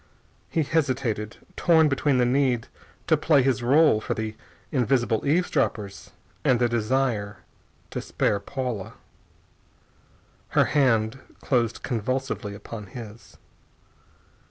He hesitated, torn between the need to play his rôle for the invisible eavesdroppers and the desire to spare Paula. Her hand closed convulsively upon his.